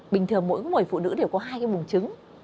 bình thường mỗi người phụ nữ đều có hai cái bùng trứng